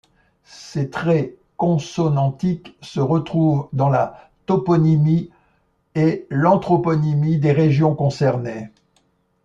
Ces traits consonantiques se retrouvent dans la toponymie et l’anthroponymie des régions concernées.